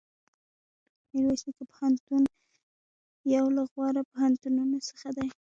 میرویس نیکه پوهنتون یو له غوره پوهنتونونو څخه دی.